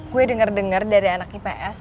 gue denger denger dari anak ips